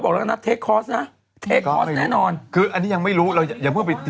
พยายามทั้งหลายที่ออกมาพูด